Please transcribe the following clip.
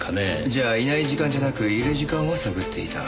じゃあいない時間じゃなくいる時間を探っていた？